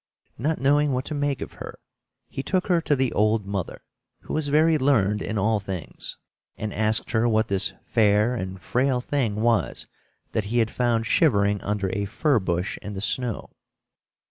Not knowing what to make of her, he took her to the old mother, who was very learned in all things, and asked her what this fair and frail thing was that he had found shivering under a fir bush in the snow.